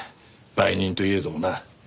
売人といえどもな。